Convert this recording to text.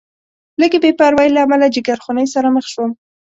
لږې بې پروایۍ له امله جیګرخونۍ سره مخ شوم.